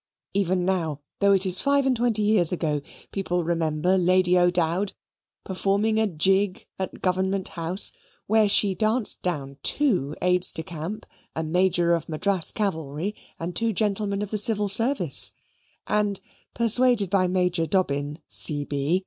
Even now, though it is five and twenty years ago, people remember Lady O'Dowd performing a jig at Government House, where she danced down two Aides de Camp, a Major of Madras cavalry, and two gentlemen of the Civil Service; and, persuaded by Major Dobbin, C.B.